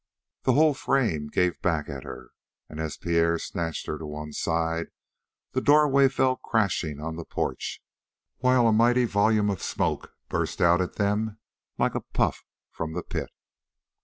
The whole frame gave back at her, and as Pierre snatched her to one side the doorway fell crashing on the porch, while a mighty volume of smoke burst out at them like a puff from the pit.